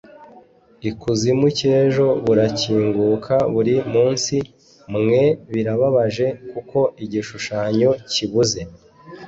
ikuzimu cy'ejo burakinguka buri munsi!mwe, birababaje (kuko igishushanyo kibuze